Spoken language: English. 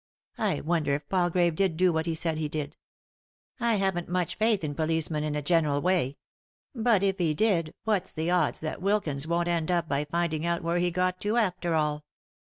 I wonder if Palgrave did do what he said he did ? I haven't much faith in police men in a general way ; but if he did, what's the odds that Wilkins won't end up by finding out where he got to after all